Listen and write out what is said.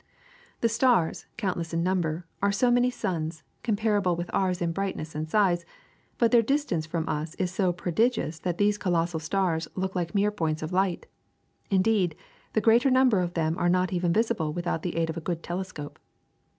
*^The stars, countless in number, are so many suns, comparable with ours in brightness and size; but their distance from us is so prodigious that these colossal stars look like mere points of light. In deed, the greater number of them are not even visi ble without the aid of a good telescope.